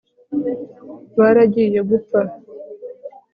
baragiye gupfa